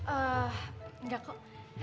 eh enggak kok